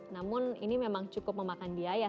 namun ini memang cukup memakan biaya